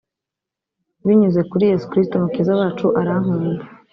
binyuze kuri yesu kristo umukiza wacu arankunda